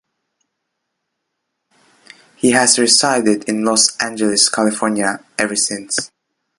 He has resided in Los Angeles, California ever since.